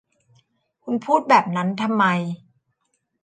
คุณพูดแบบนั้นทำไม